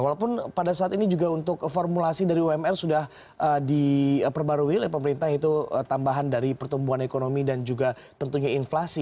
walaupun pada saat ini juga untuk formulasi dari umr sudah diperbarui oleh pemerintah itu tambahan dari pertumbuhan ekonomi dan juga tentunya inflasi